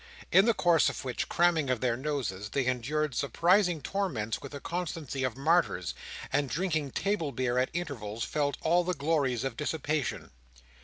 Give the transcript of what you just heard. In the course of which cramming of their noses, they endured surprising torments with the constancy of martyrs: and, drinking table beer at intervals, felt all the glories of dissipation.